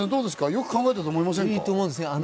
よく考えたと思いませんか。